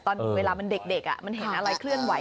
เวลามันเด็กมันเห็นอะไรเคลื่อนไห